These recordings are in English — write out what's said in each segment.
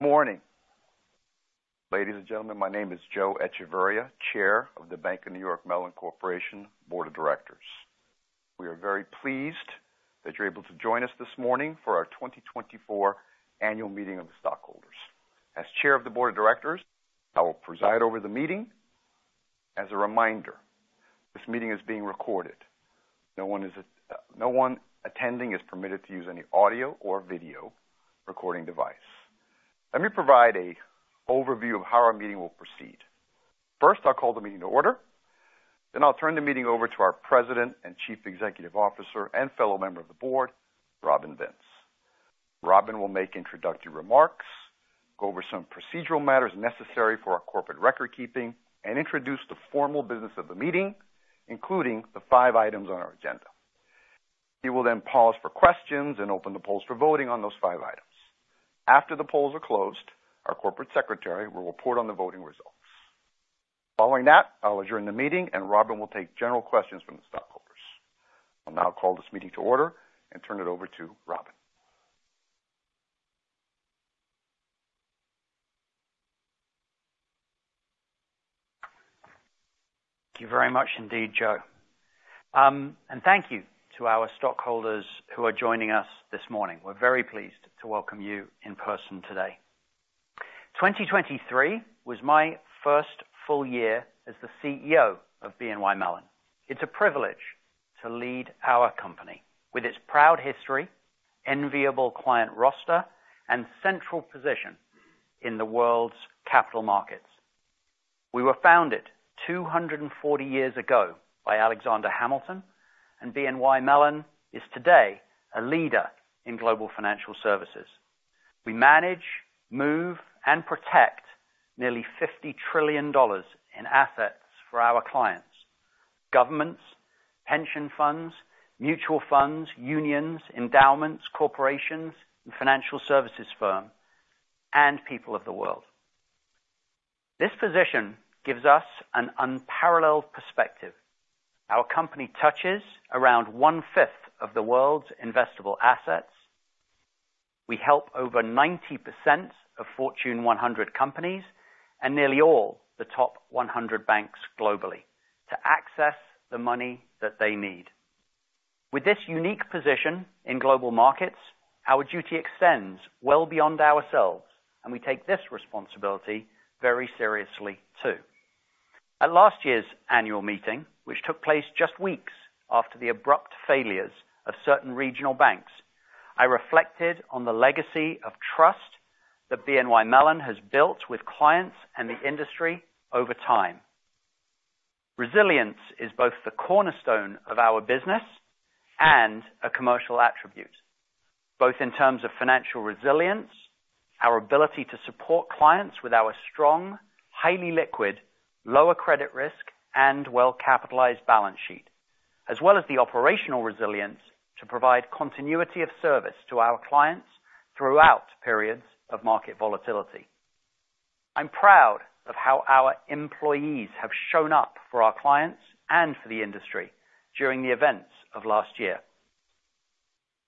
Morning, ladies and gentlemen. My name is Joe Echevarria, Chair of the Bank of New York Mellon Corporation Board of Directors. We are very pleased that you're able to join us this morning for our 2024 annual meeting of the stockholders. As Chair of the Board of Directors, I will preside over the meeting. As a reminder, this meeting is being recorded. No one attending is permitted to use any audio or video recording device. Let me provide an overview of how our meeting will proceed. First, I'll call the meeting to order. Then I'll turn the meeting over to our President and Chief Executive Officer and fellow member of the board, Robin Vince. Robin will make introductory remarks, go over some procedural matters necessary for our corporate record keeping, and introduce the formal business of the meeting, including the five items on our agenda. He will then pause for questions and open the polls for voting on those five items. After the polls are closed, our Corporate Secretary will report on the voting results. Following that, I'll adjourn the meeting and Robin will take general questions from the stockholders. I'll now call this meeting to order and turn it over to Robin. Thank you very much indeed, Joe. Thank you to our stockholders who are joining us this morning. We're very pleased to welcome you in person today. 2023 was my first full year as the CEO of BNY Mellon. It's a privilege to lead our company with its proud history, enviable client roster, and central position in the world's capital markets. We were founded 240 years ago by Alexander Hamilton, and BNY Mellon is today a leader in global financial services. We manage, move, and protect nearly $50 trillion in assets for our clients: governments, pension funds, mutual funds, unions, endowments, corporations, financial services firms, and people of the world. This position gives us an unparalleled perspective. Our company touches around one-fifth of the world's investable assets. We help over 90% of Fortune 100 companies and nearly all the top 100 banks globally to access the money that they need. With this unique position in global markets, our duty extends well beyond ourselves, and we take this responsibility very seriously too. At last year's annual meeting, which took place just weeks after the abrupt failures of certain regional banks, I reflected on the legacy of trust that BNY Mellon has built with clients and the industry over time. Resilience is both the cornerstone of our business and a commercial attribute, both in terms of financial resilience, our ability to support clients with our strong, highly liquid, lower credit risk, and well-capitalized balance sheet, as well as the operational resilience to provide continuity of service to our clients throughout periods of market volatility. I'm proud of how our employees have shown up for our clients and for the industry during the events of last year.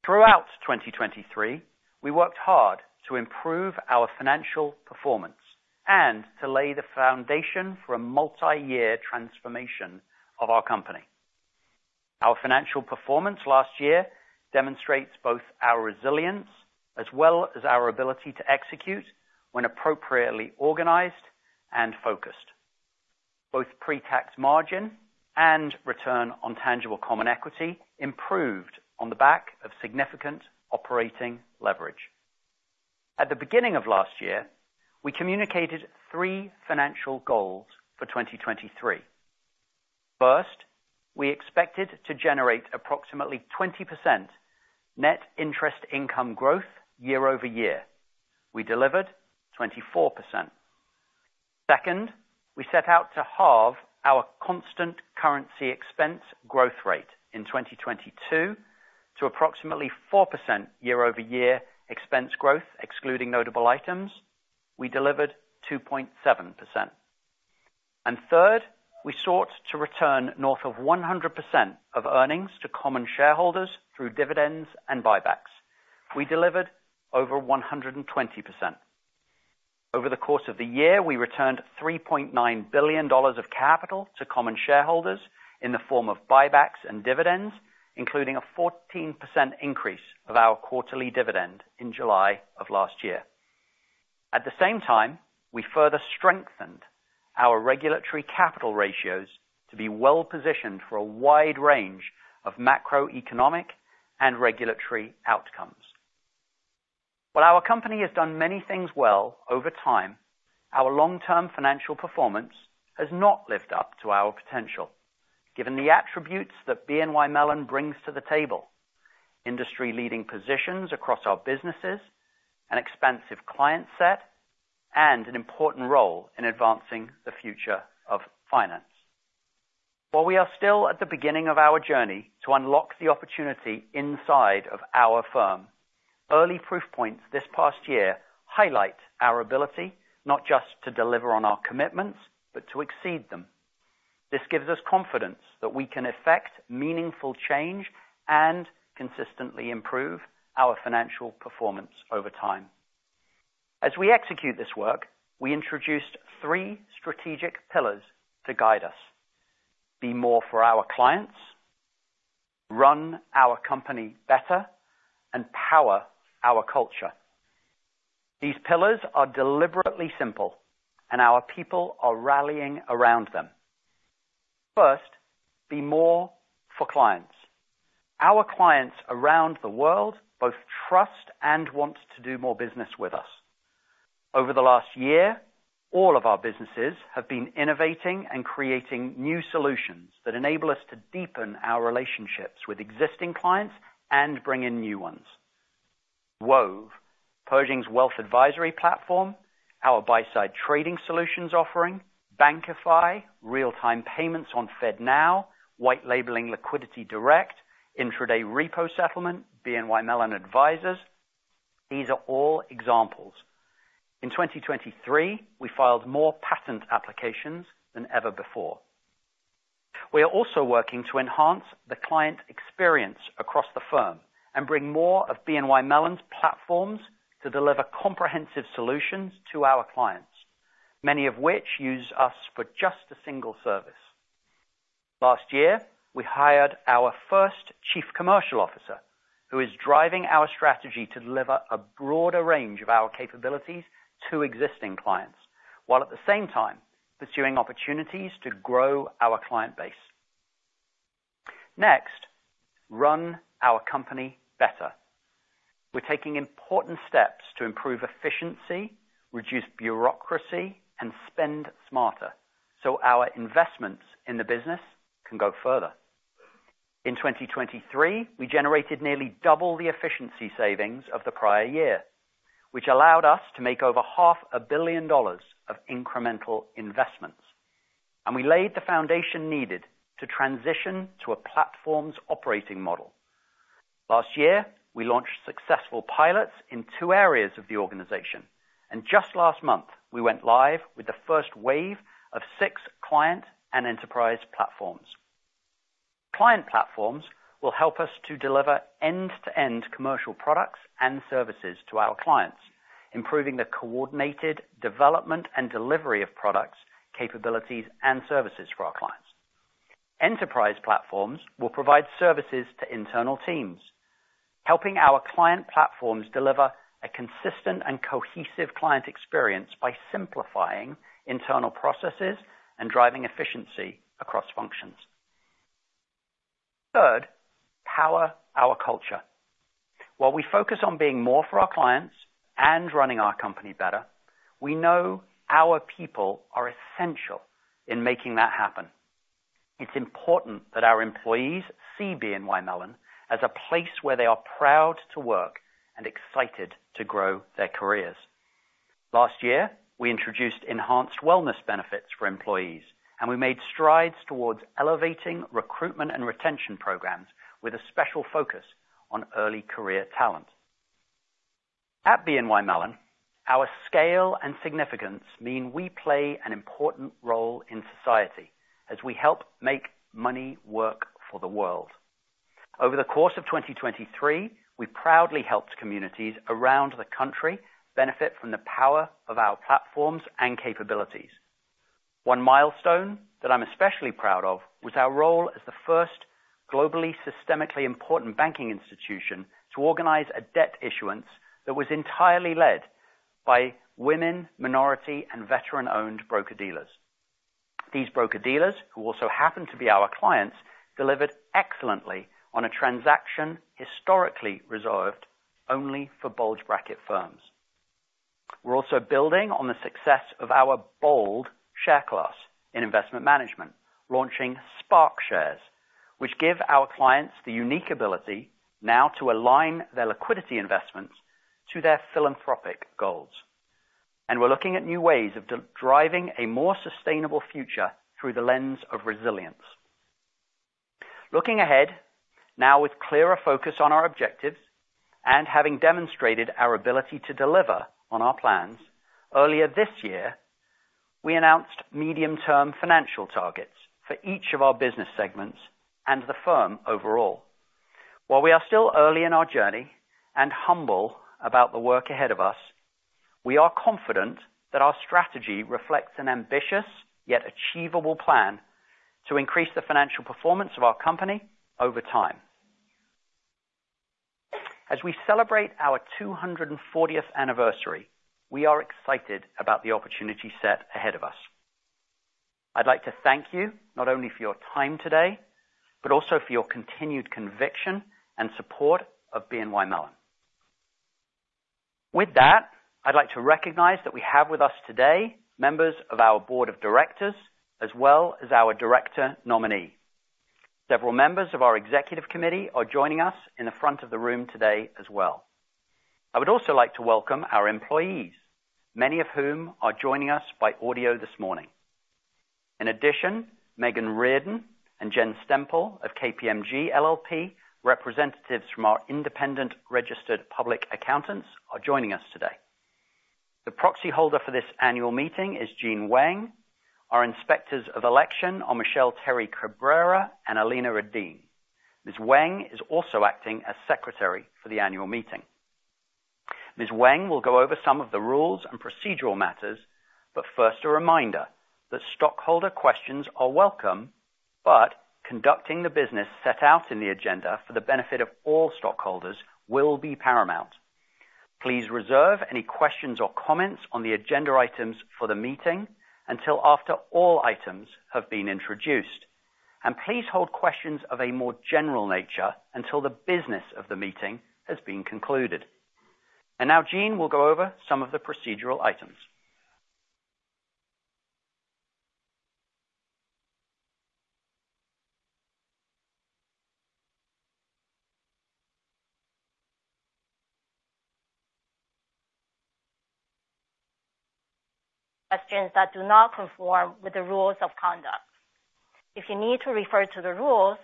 Throughout 2023, we worked hard to improve our financial performance and to lay the foundation for a multi-year transformation of our company. Our financial performance last year demonstrates both our resilience as well as our ability to execute when appropriately organized and focused. Both pre-tax margin and return on tangible common equity improved on the back of significant operating leverage. At the beginning of last year, we communicated three financial goals for 2023. First, we expected to generate approximately 20% net interest income growth year-over-year. We delivered 24%. Second, we set out to halve our constant currency expense growth rate in 2022 to approximately 4% year-over-year expense growth, excluding notable items. We delivered 2.7%. And third, we sought to return north of 100% of earnings to common shareholders through dividends and buybacks. We delivered over 120%. Over the course of the year, we returned $3.9 billion of capital to common shareholders in the form of buybacks and dividends, including a 14% increase of our quarterly dividend in July of last year. At the same time, we further strengthened our regulatory capital ratios to be well-positioned for a wide range of macroeconomic and regulatory outcomes. While our company has done many things well over time, our long-term financial performance has not lived up to our potential, given the attributes that BNY Mellon brings to the table: industry-leading positions across our businesses, an expansive client set, and an important role in advancing the future of finance. While we are still at the beginning of our journey to unlock the opportunity inside of our firm, early proof points this past year highlight our ability not just to deliver on our commitments, but to exceed them. This gives us confidence that we can effect meaningful change and consistently improve our financial performance over time. As we execute this work, we introduced three strategic pillars to guide us: be more for our clients, run our company better, and power our culture. These pillars are deliberately simple, and our people are rallying around them. First, be more for clients. Our clients around the world both trust and want to do more business with us. Over the last year, all of our businesses have been innovating and creating new solutions that enable us to deepen our relationships with existing clients and bring in new ones: Wove, Pershing's wealth advisory platform, our buy-side trading solutions offering, Bankify, real-time payments on FedNow, white-labeling LiquidityDirect, intraday repo settlement, BNY Mellon Advisors. These are all examples. In 2023, we filed more patent applications than ever before. We are also working to enhance the client experience across the firm and bring more of BNY Mellon's platforms to deliver comprehensive solutions to our clients, many of which use us for just a single service. Last year, we hired our first Chief Commercial Officer, who is driving our strategy to deliver a broader range of our capabilities to existing clients, while at the same time pursuing opportunities to grow our client base. Next, run our company better. We're taking important steps to improve efficiency, reduce bureaucracy, and spend smarter so our investments in the business can go further. In 2023, we generated nearly double the efficiency savings of the prior year, which allowed us to make over $500 million of incremental investments. And we laid the foundation needed to transition to a platform's operating model. Last year, we launched successful pilots in two areas of the organization, and just last month, we went live with the first wave of six client and enterprise platforms. Client platforms will help us to deliver end-to-end commercial products and services to our clients, improving the coordinated development and delivery of products, capabilities, and services for our clients. Enterprise platforms will provide services to internal teams, helping our client platforms deliver a consistent and cohesive client experience by simplifying internal processes and driving efficiency across functions. Third, power our culture. While we focus on being more for our clients and running our company better, we know our people are essential in making that happen. It's important that our employees see BNY Mellon as a place where they are proud to work and excited to grow their careers. Last year, we introduced enhanced wellness benefits for employees, and we made strides towards elevating recruitment and retention programs with a special focus on early career talent. At BNY Mellon, our scale and significance mean we play an important role in society as we help make money work for the world. Over the course of 2023, we proudly helped communities around the country benefit from the power of our platforms and capabilities. One milestone that I'm especially proud of was our role as the first globally systemically important banking institution to organize a debt issuance that was entirely led by women, minority, and veteran-owned broker-dealers. These broker-dealers, who also happen to be our clients, delivered excellently on a transaction historically reserved only for bulge-bracket firms. We're also building on the success of our bold share class in investment management, launching SPARK Shares, which give our clients the unique ability now to align their liquidity investments to their philanthropic goals. We're looking at new ways of driving a more sustainable future through the lens of resilience. Looking ahead, now with clearer focus on our objectives and having demonstrated our ability to deliver on our plans, earlier this year, we announced medium-term financial targets for each of our business segments and the firm overall. While we are still early in our journey and humble about the work ahead of us, we are confident that our strategy reflects an ambitious yet achievable plan to increase the financial performance of our company over time. As we celebrate our 240th anniversary, we are excited about the opportunity set ahead of us. I'd like to thank you not only for your time today, but also for your continued conviction and support of BNY Mellon. With that, I'd like to recognize that we have with us today members of our board of directors as well as our director nominee. Several members of our executive committee are joining us in the front of the room today as well. I would also like to welcome our employees, many of whom are joining us by audio this morning. In addition, Megan Reardon and Jen Stemple of KPMG LLP, representatives from our independent registered public accountants, are joining us today. The proxy holder for this annual meeting is Jean Weng. Our inspectors of election are Michele TerryCabrera and Alina Radeen. Ms. Weng is also acting as secretary for the annual meeting. Ms. Weng will go over some of the rules and procedural matters, but first a reminder that stockholder questions are welcome, but conducting the business set out in the agenda for the benefit of all stockholders will be paramount. Please reserve any questions or comments on the agenda items for the meeting until after all items have been introduced, and please hold questions of a more general nature until the business of the meeting has been concluded. And now, Jean will go over some of the procedural items. Questions that do not conform with the rules of conduct. If you need to refer to the rules,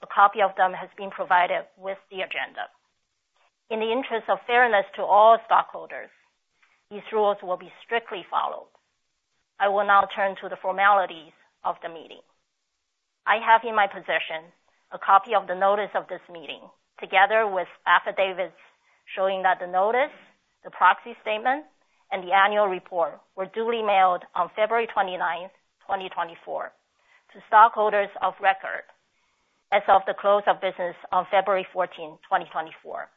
a copy of them has been provided with the agenda. In the interest of fairness to all stockholders, these rules will be strictly followed. I will now turn to the formalities of the meeting. I have in my possession a copy of the notice of this meeting together with affidavits showing that the notice, the proxy statement, and the annual report were duly mailed on February 29th, 2024, to stockholders of record as of the close of business on February 14th, 2024,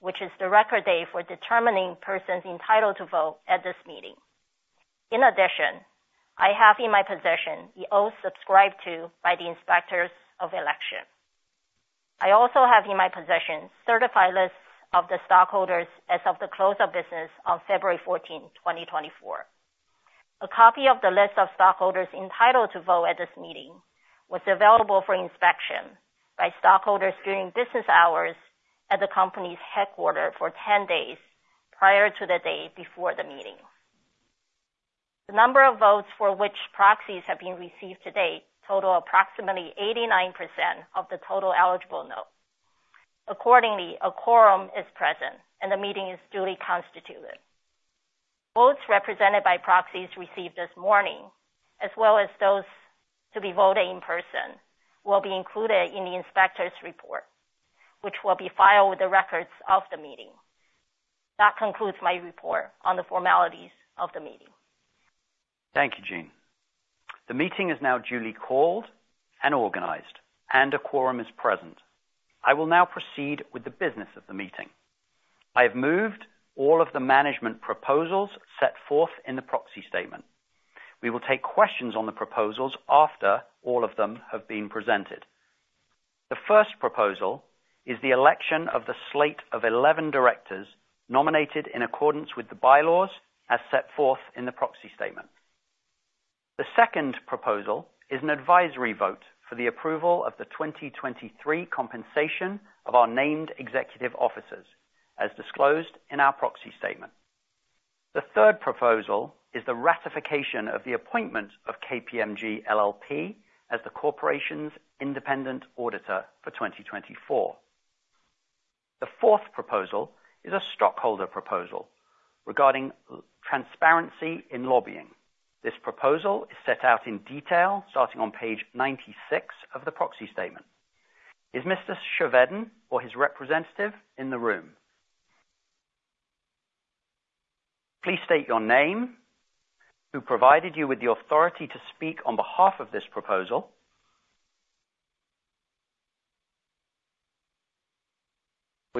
which is the record day for determining persons entitled to vote at this meeting. In addition, I have in my possession the oaths subscribed to by the inspectors of election. I also have in my possession certified lists of the stockholders as of the close of business on February 14th, 2024. A copy of the list of stockholders entitled to vote at this meeting was available for inspection by stockholders during business hours at the company's headquarters for 10 days prior to the day before the meeting. The number of votes for which proxies have been received to date totals approximately 89% of the total eligible vote. Accordingly, a quorum is present, and the meeting is duly constituted. Votes represented by proxies received this morning, as well as those to be voted in person, will be included in the inspector's report, which will be filed with the records of the meeting. That concludes my report on the formalities of the meeting. Thank you, Jean. The meeting is now duly called and organized, and a quorum is present. I will now proceed with the business of the meeting. I have moved all of the management proposals set forth in the proxy statement. We will take questions on the proposals after all of them have been presented. The first proposal is the election of the slate of 11 directors nominated in accordance with the bylaws as set forth in the proxy statement. The second proposal is an advisory vote for the approval of the 2023 compensation of our named executive officers, as disclosed in our proxy statement. The third proposal is the ratification of the appointment of KPMG LLP as the corporation's independent auditor for 2024. The fourth proposal is a stockholder proposal regarding transparency in lobbying. This proposal is set out in detail starting on page 96 of the proxy statement. Is Mr. Chevedden or his representative in the room? Please state your name, who provided you with the authority to speak on behalf of this proposal.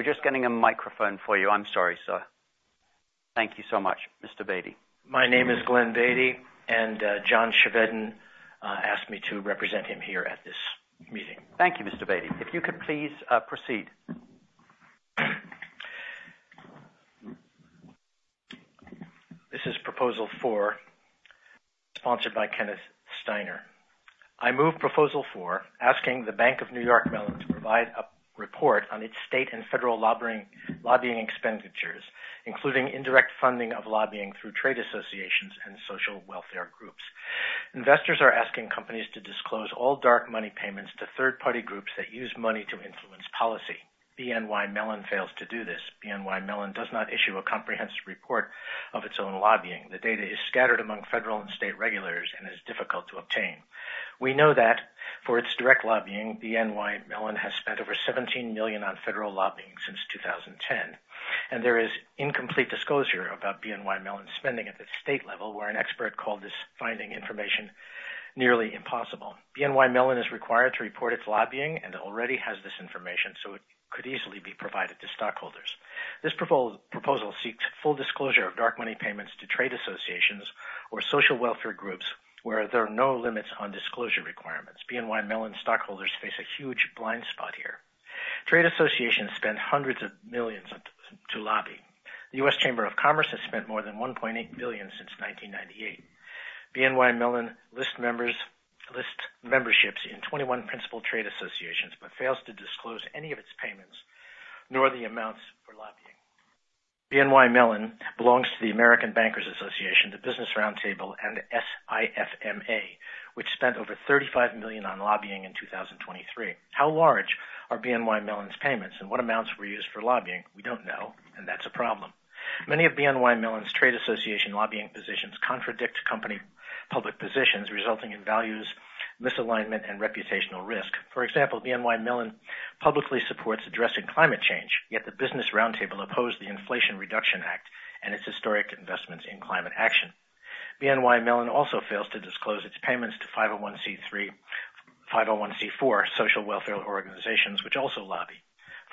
We're just getting a microphone for you. I'm sorry, sir. Thank you so much, Mr. Beatty. My name is Glenn Beatty, and John Chevedden asked me to represent him here at this meeting. Thank you, Mr. Beatty. If you could please proceed. This is proposal four, sponsored by Kenneth Steiner. I move proposal four, asking the Bank of New York Mellon to provide a report on its state and federal lobbying expenditures, including indirect funding of lobbying through trade associations and social welfare groups. Investors are asking companies to disclose all dark money payments to third-party groups that use money to influence policy. BNY Mellon fails to do this. BNY Mellon does not issue a comprehensive report of its own lobbying. The data is scattered among federal and state regulators and is difficult to obtain. We know that for its direct lobbying, BNY Mellon has spent over $17 million on federal lobbying since 2010, and there is incomplete disclosure about BNY Mellon's spending at the state level, where an expert called this finding information nearly impossible. BNY Mellon is required to report its lobbying and already has this information, so it could easily be provided to stockholders. This proposal seeks full disclosure of dark money payments to trade associations or social welfare groups, where there are no limits on disclosure requirements. BNY Mellon's stockholders face a huge blind spot here. Trade associations spend hundreds of millions to lobby. The U.S. Chamber of Commerce has spent more than $1.8 billion since 1998. BNY Mellon lists memberships in 21 principal trade associations but fails to disclose any of its payments nor the amounts for lobbying. BNY Mellon belongs to the American Bankers Association, the Business Roundtable, and SIFMA, which spent over $35 million on lobbying in 2023. How large are BNY Mellon's payments, and what amounts were used for lobbying? We don't know, and that's a problem. Many of BNY Mellon's trade association lobbying positions contradict company public positions, resulting in values misalignment and reputational risk. For example, BNY Mellon publicly supports addressing climate change, yet the Business Roundtable opposed the Inflation Reduction Act and its historic investments in climate action. BNY Mellon also fails to disclose its payments to 501(c)(3) and 501(c)(4) social welfare organizations, which also lobby.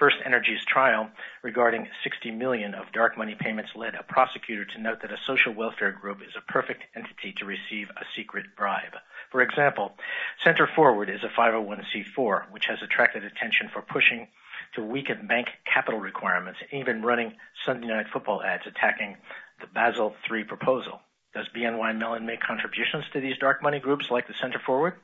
FirstEnergy's trial regarding $60 million of dark money payments led a prosecutor to note that a social welfare group is a perfect entity to receive a secret bribe. For example, Center Forward is a 501(c)(4), which has attracted attention for pushing to weaken bank capital requirements and even running Sunday night football ads attacking the Basel III proposal. Does BNY Mellon make contributions to these dark money groups like the Center Forward?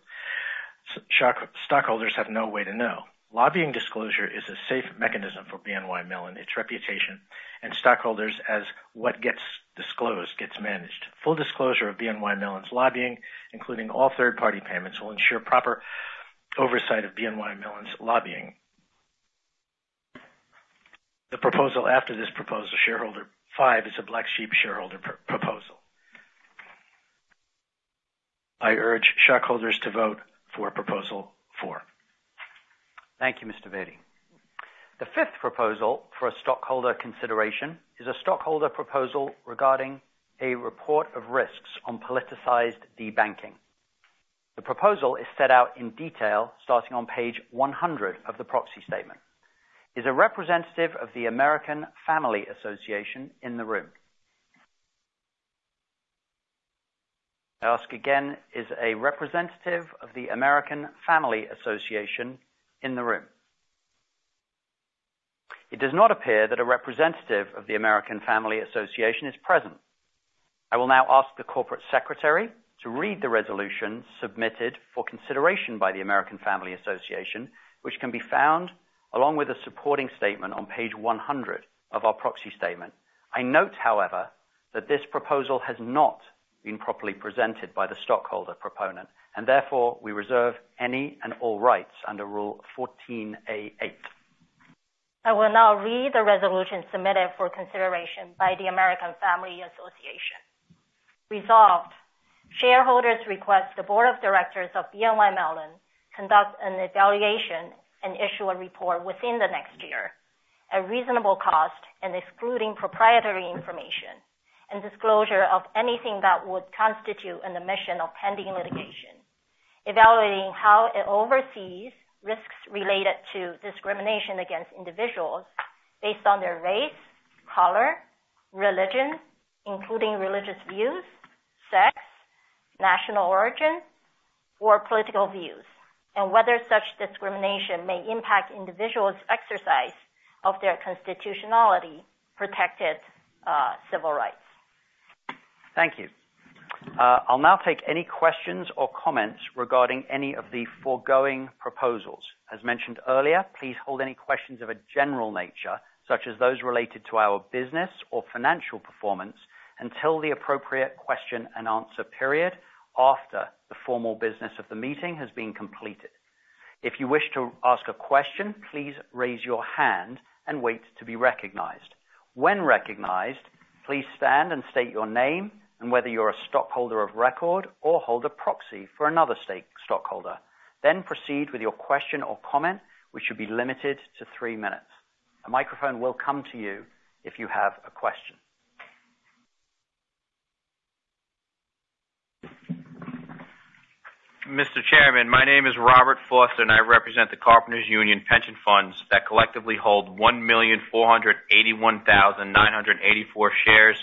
Stockholders have no way to know. Lobbying disclosure is a safe mechanism for BNY Mellon, its reputation, and stockholders as what gets disclosed gets managed. Full disclosure of BNY Mellon's lobbying, including all third-party payments, will ensure proper oversight of BNY Mellon's lobbying. The proposal after this proposal, shareholder five, is a black sheep shareholder proposal. I urge stockholders to vote for proposal four. Thank you, Mr. Beatty. The fifth proposal for a stockholder consideration is a stockholder proposal regarding a report of risks on politicized debanking. The proposal is set out in detail starting on page 100 of the proxy statement. Is a representative of the American Family Association in the room? I ask again, is a representative of the American Family Association in the room? It does not appear that a representative of the American Family Association is present. I will now ask the corporate secretary to read the resolution submitted for consideration by the American Family Association, which can be found along with a supporting statement on page 100 of our proxy statement. I note, however, that this proposal has not been properly presented by the stockholder proponent, and therefore, we reserve any and all rights under Rule 14a-8. I will now read the resolution submitted for consideration by the American Family Association. Resolved. Shareholders request the board of directors of BNY Mellon conduct an evaluation and issue a report within the next year at reasonable cost and excluding proprietary information and disclosure of anything that would constitute an omission of pending litigation, evaluating how it oversees risks related to discrimination against individuals based on their race, color, religion, including religious views, sex, national origin, or political views, and whether such discrimination may impact individuals' exercise of their constitutionally protected civil rights. Thank you. I'll now take any questions or comments regarding any of the foregoing proposals. As mentioned earlier, please hold any questions of a general nature, such as those related to our business or financial performance, until the appropriate question and answer period after the formal business of the meeting has been completed. If you wish to ask a question, please raise your hand and wait to be recognized. When recognized, please stand and state your name and whether you're a stockholder of record or hold a proxy for another stockholder. Then proceed with your question or comment, which should be limited to three minutes. A microphone will come to you if you have a question. Mr. Chairman, my name is Robert Foster, and I represent the Carpenters Union Pension Funds that collectively hold 1,481,984 shares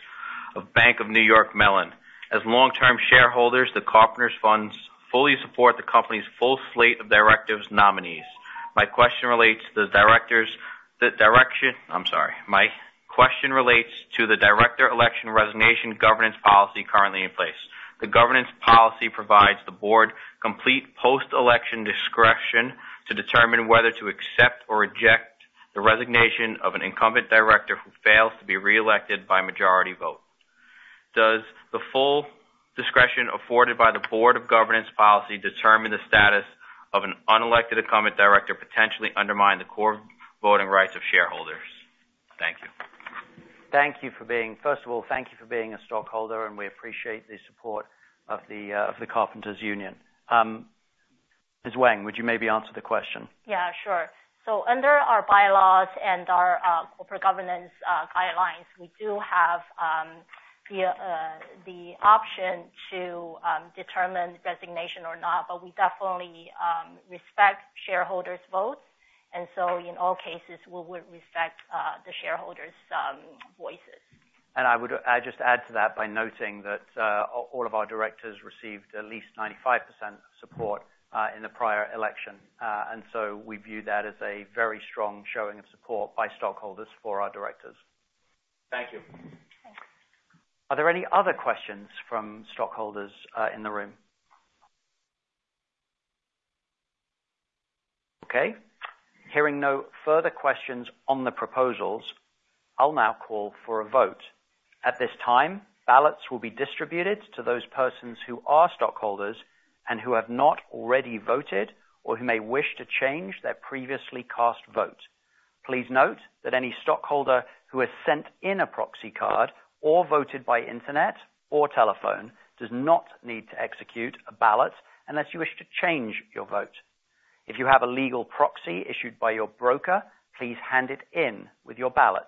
of Bank of New York Mellon. As long-term shareholders, the Carpenters Funds fully support the company's full slate of directors' nominees. My question relates to the directors' I'm sorry. My question relates to the director election resignation governance policy currently in place. The governance policy provides the board complete post-election discretion to determine whether to accept or reject the resignation of an incumbent director who fails to be reelected by majority vote. Does the full discretion afforded by the board of governance policy determine the status of an unelected incumbent director potentially undermine the core voting rights of shareholders? Thank you. Thank you for being first of all, thank you for being a stockholder, and we appreciate the support of the Carpenters Union. Ms. Weng, would you maybe answer the question? Yeah, sure. So under our bylaws and our corporate governance guidelines, we do have the option to determine resignation or not, but we definitely respect shareholders' votes. And so in all cases, we would respect the shareholders' voices. And I would just add to that by noting that all of our directors received at least 95% support in the prior election, and so we view that as a very strong showing of support by stockholders for our directors. Thank you. Thanks. Are there any other questions from stockholders in the room? Okay. Hearing no further questions on the proposals, I'll now call for a vote. At this time, ballots will be distributed to those persons who are stockholders and who have not already voted or who may wish to change their previously cast vote. Please note that any stockholder who has sent in a proxy card or voted by internet or telephone does not need to execute a ballot unless you wish to change your vote. If you have a legal proxy issued by your broker, please hand it in with your ballot.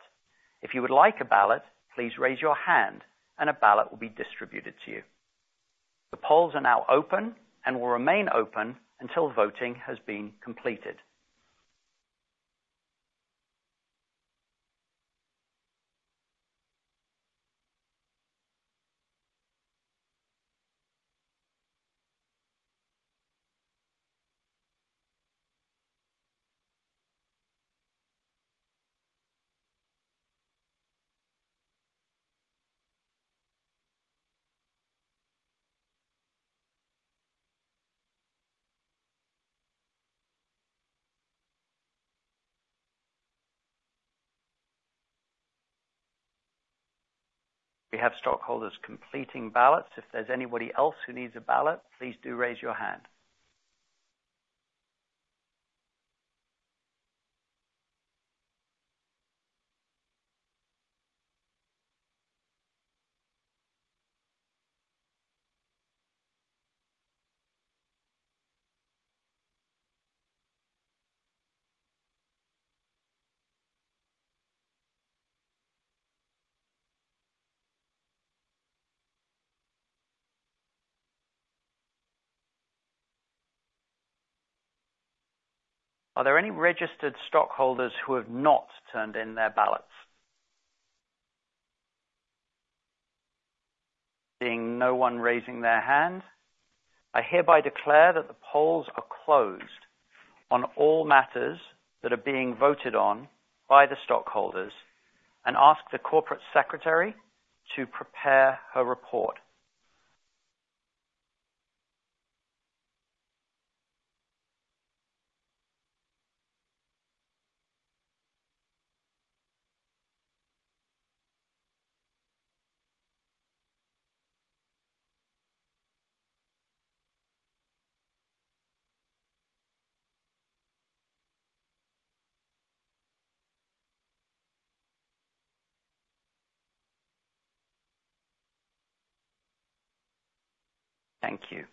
If you would like a ballot, please raise your hand, and a ballot will be distributed to you. The polls are now open and will remain open until voting has been completed. We have stockholders completing ballots. If there's anybody else who needs a ballot, please do raise your hand. Are there any registered stockholders who have not turned in their ballots? Seeing no one raising their hand, I hereby declare that the polls are closed on all matters that are being voted on by the stockholders and ask the corporate secretary to prepare her report. Thank you.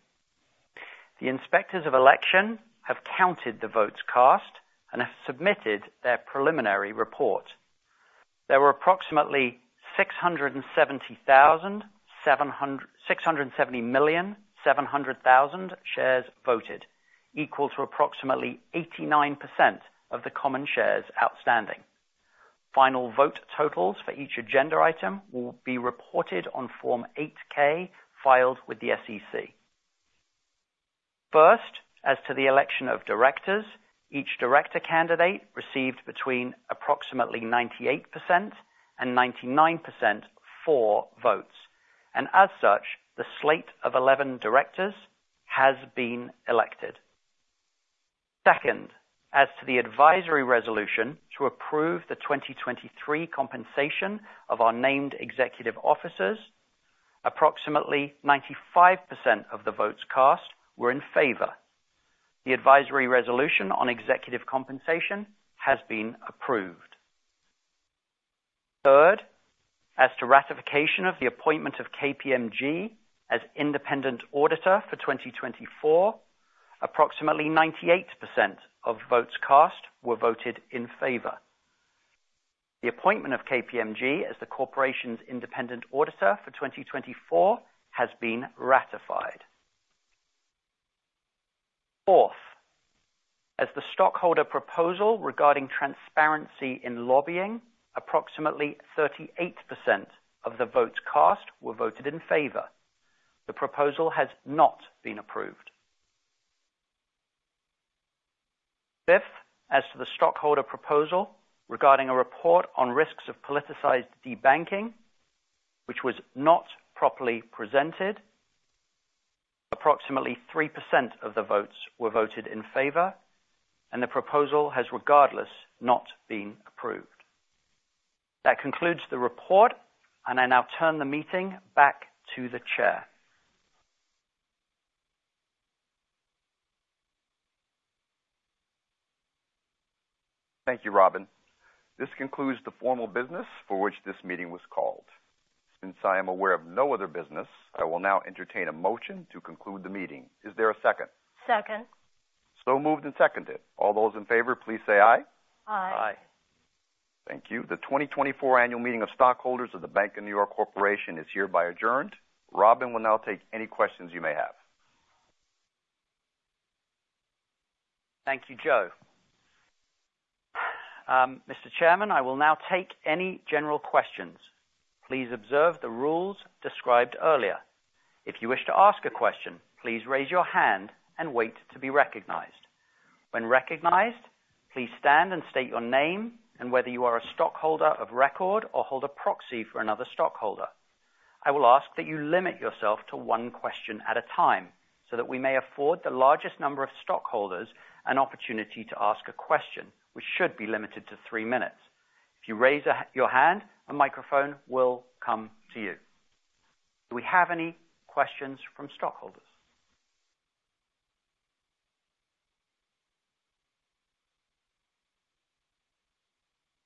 The inspectors of election have counted the votes cast and have submitted their preliminary report. There were approximately 670,700,000 million shares voted, equal to approximately 89% of the common shares outstanding. Final vote totals for each agenda item will be reported on Form 8-K filed with the SEC. First, as to the election of directors, each director candidate received between approximately 98% and 99% for votes, and as such, the slate of 11 directors has been elected. Second, as to the advisory resolution to approve the 2023 compensation of our named executive officers, approximately 95% of the votes cast were in favor. The advisory resolution on executive compensation has been approved. Third, as to ratification of the appointment of KPMG as independent auditor for 2024, approximately 98% of votes cast were voted in favor. The appointment of KPMG as the corporation's independent auditor for 2024 has been ratified. Fourth, as the stockholder proposal regarding transparency in lobbying, approximately 38% of the votes cast were voted in favor. The proposal has not been approved. Fifth, as to the stockholder proposal regarding a report on risks of politicized debanking, which was not properly presented, approximately 3% of the votes were voted in favor, and the proposal has regardless not been approved. That concludes the report, and I now turn the meeting back to the chair. Thank you, Robin. This concludes the formal business for which this meeting was called. Since I am aware of no other business, I will now entertain a motion to conclude the meeting. Is there a second? Second. So moved and seconded. All those in favor, please say aye. Aye. Aye. Thank you. The 2024 annual meeting of stockholders of The Bank of New York Mellon Corporation is hereby adjourned. Robin will now take any questions you may have. Thank you, Joe. Mr. Chairman, I will now take any general questions. Please observe the rules described earlier. If you wish to ask a question, please raise your hand and wait to be recognized. When recognized, please stand and state your name and whether you are a stockholder of record or hold a proxy for another stockholder. I will ask that you limit yourself to one question at a time so that we may afford the largest number of stockholders an opportunity to ask a question, which should be limited to three minutes. If you raise your hand, a microphone will come to you. Do we have any questions from stockholders?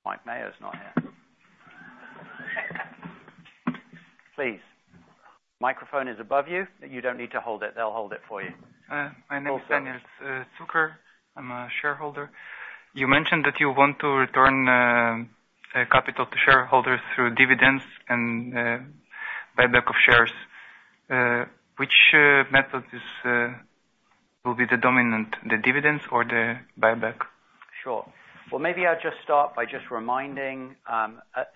Mike Mayer's not here. Please. Microphone is above you. You don't need to hold it. They'll hold it for you. My name is Daniel Zucker. I'm a shareholder. You mentioned that you want to return capital to shareholders through dividends and buyback of shares. Which method will be the dominant, the dividends or the buyback? Sure. Well, maybe I'll just start by just reminding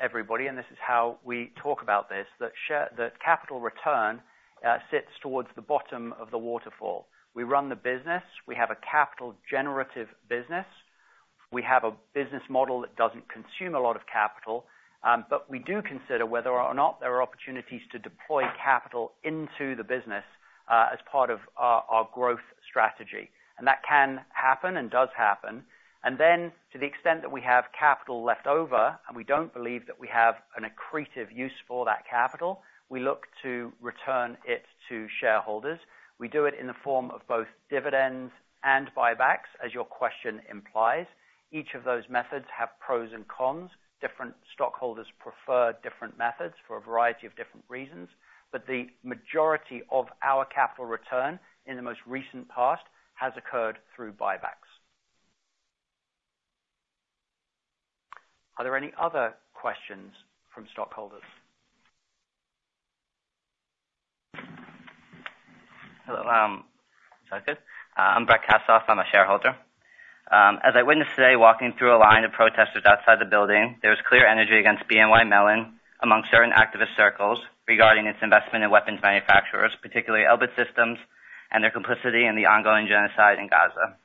everybody, and this is how we talk about this, that capital return sits towards the bottom of the waterfall. We run the business. We have a capital-generative business. We have a business model that doesn't consume a lot of capital, but we do consider whether or not there are opportunities to deploy capital into the business as part of our growth strategy. And that can happen and does happen. And then, to the extent that we have capital left over and we don't believe that we have an accretive use for that capital, we look to return it to shareholders. We do it in the form of both dividends and buybacks, as your question implies. Each of those methods have pros and cons. Different stockholders prefer different methods for a variety of different reasons, but the majority of our capital return in the most recent past has occurred through buybacks. Are there any other questions from stockholders? Hello. Sorry. I'm Brad Cassoff. I'm a shareholder. As I witnessed today walking through a line of protesters outside the building, there was clear energy against BNY Mellon among certain activist circles regarding its investment in weapons manufacturers, particularly Elbit Systems, and their complicity in the ongoing genocide in Gaza.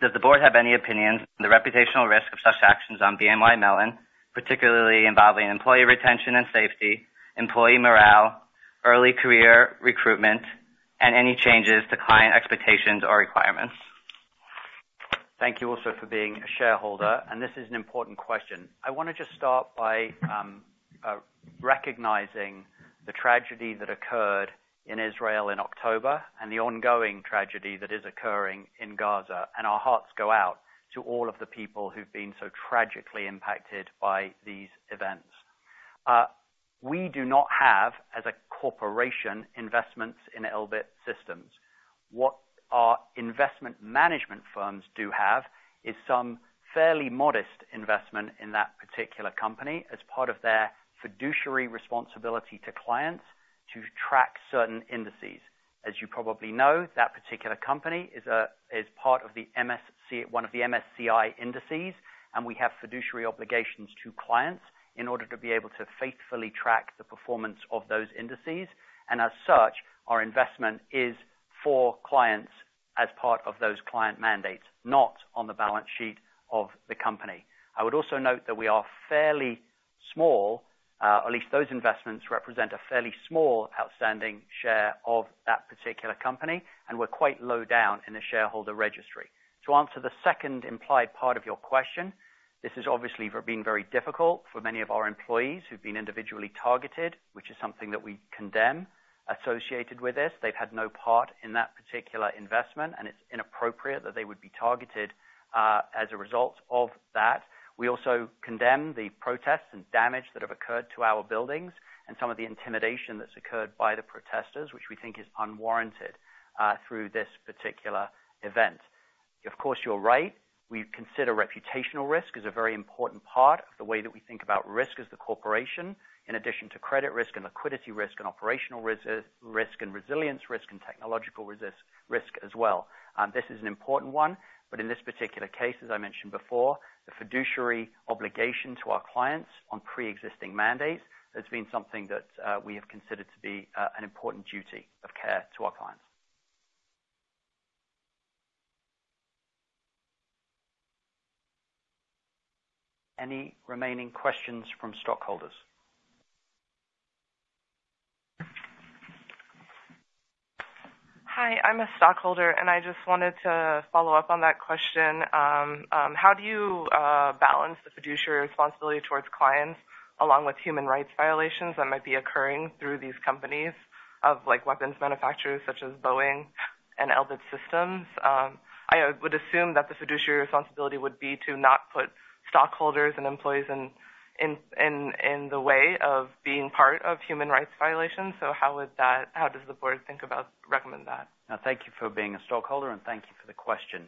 Does the board have any opinions on the reputational risk of such actions on BNY Mellon, particularly involving employee retention and safety, employee morale, early career recruitment, and any changes to client expectations or requirements? Thank you, also, for being a shareholder. And this is an important question. I want to just start by recognizing the tragedy that occurred in Israel in October and the ongoing tragedy that is occurring in Gaza, and our hearts go out to all of the people who've been so tragically impacted by these events. We do not have, as a corporation, investments in Elbit Systems. What our investment management firms do have is some fairly modest investment in that particular company as part of their fiduciary responsibility to clients to track certain indices. As you probably know, that particular company is part of one of the MSCI indices, and we have fiduciary obligations to clients in order to be able to faithfully track the performance of those indices. As such, our investment is for clients as part of those client mandates, not on the balance sheet of the company. I would also note that we are fairly small, at least, those investments represent a fairly small outstanding share of that particular company, and we're quite low down in the shareholder registry. To answer the second implied part of your question, this has obviously been very difficult for many of our employees who've been individually targeted, which is something that we condemn associated with this. They've had no part in that particular investment, and it's inappropriate that they would be targeted as a result of that. We also condemn the protests and damage that have occurred to our buildings and some of the intimidation that's occurred by the protesters, which we think is unwarranted through this particular event. Of course, you're right. We consider reputational risk as a very important part of the way that we think about risk as the corporation, in addition to credit risk and liquidity risk and operational risk and resilience risk and technological risk as well. This is an important one, but in this particular case, as I mentioned before, the fiduciary obligation to our clients on pre-existing mandates has been something that we have considered to be an important duty of care to our clients. Any remaining questions from stockholders? Hi. I'm a stockholder, and I just wanted to follow up on that question. How do you balance the fiduciary responsibility towards clients along with human rights violations that might be occurring through these companies of weapons manufacturers such as Boeing and Elbit Systems? I would assume that the fiduciary responsibility would be to not put stockholders and employees in the way of being part of human rights violations. So how does the board think about recommend that? Thank you for being a stockholder, and thank you for the question.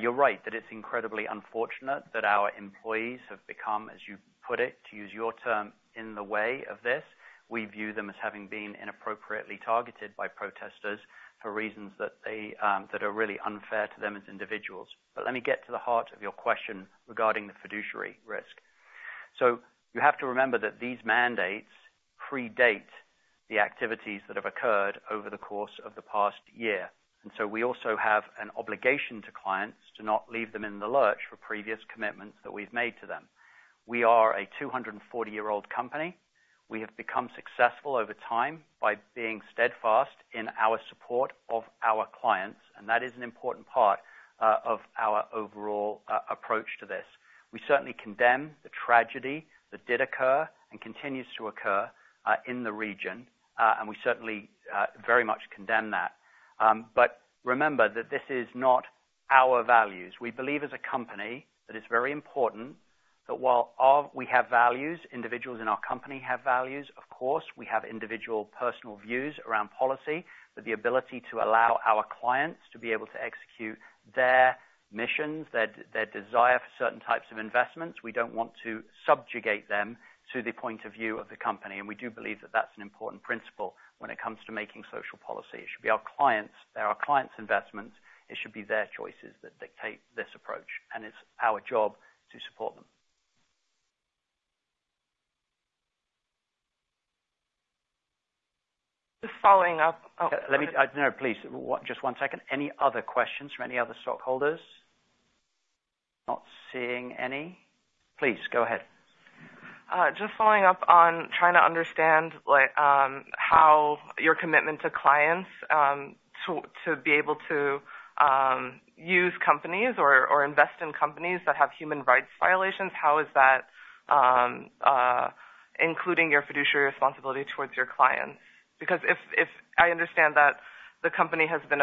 You're right that it's incredibly unfortunate that our employees have become, as you put it, to use your term, in the way of this. We view them as having been inappropriately targeted by protesters for reasons that are really unfair to them as individuals. But let me get to the heart of your question regarding the fiduciary risk. So you have to remember that these mandates predate the activities that have occurred over the course of the past year. So we also have an obligation to clients to not leave them in the lurch for previous commitments that we've made to them. We are a 240-year-old company. We have become successful over time by being steadfast in our support of our clients, and that is an important part of our overall approach to this. We certainly condemn the tragedy that did occur and continues to occur in the region, and we certainly very much condemn that. But remember that this is not our values. We believe, as a company, that it's very important that while we have values, individuals in our company have values, of course, we have individual personal views around policy, but the ability to allow our clients to be able to execute their missions, their desire for certain types of investments, we don't want to subjugate them to the point of view of the company. And we do believe that that's an important principle when it comes to making social policy. It should be our clients. They're our clients' investments. It should be their choices that dictate this approach, and it's our job to support them. Just following up. No, please. Just one second. Any other questions from any other stockholders? Not seeing any. Please, go ahead. Just following up on trying to understand how your commitment to clients to be able to use companies or invest in companies that have human rights violations, how is that including your fiduciary responsibility towards your clients? Because I understand that the company has been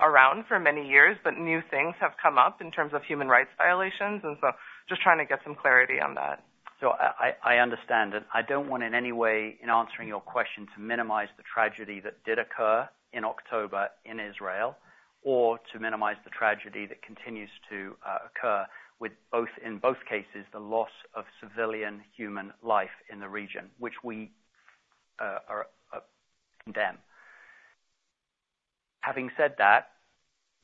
around for many years, but new things have come up in terms of human rights violations, and so just trying to get some clarity on that. So I understand, and I don't want in any way, in answering your question, to minimise the tragedy that did occur in October in Israel or to minimise the tragedy that continues to occur with, in both cases, the loss of civilian human life in the region, which we condemn. Having said that,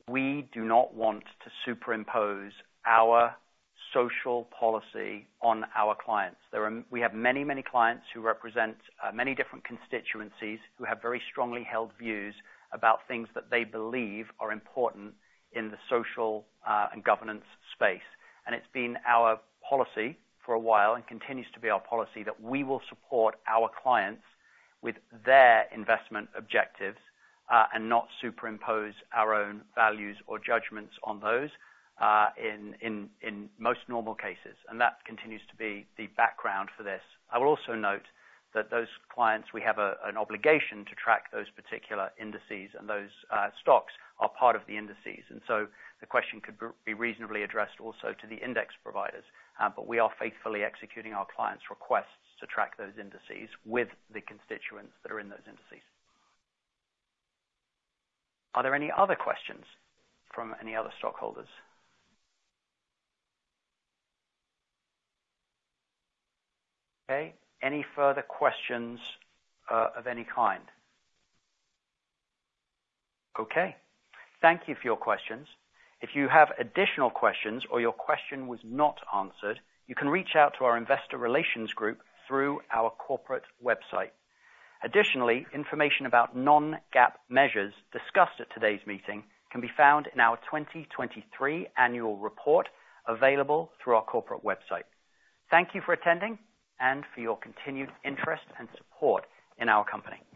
we do not want to superimpose our social policy on our clients. We have many, many clients who represent many different constituencies who have very strongly held views about things that they believe are important in the social and governance space. It's been our policy for a while and continues to be our policy that we will support our clients with their investment objectives and not superimpose our own values or judgements on those in most normal cases. That continues to be the background for this. I will also note that those clients, we have an obligation to track those particular indices, and those stocks are part of the indices. So the question could be reasonably addressed also to the index providers, but we are faithfully executing our clients' requests to track those indices with the constituents that are in those indices. Are there any other questions from any other stockholders? Okay. Any further questions of any kind? Okay. Thank you for your questions. If you have additional questions or your question was not answered, you can reach out to our investor relations group through our corporate website. Additionally, information about non-GAAP measures discussed in today's meeting can be found in our 2023 annual report available through our corporate website. Thank you for attending and for your continued interest and support in our company.